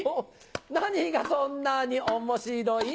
何がそんなに面白い？